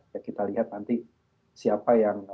ya kita lihat nanti siapa yang